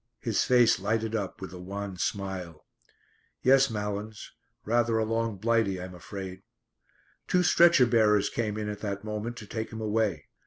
His face lighted up with a wan smile. "Yes, Malins, rather a long 'Blighty,' I'm afraid." Two stretcher bearers came in at that moment to take him away.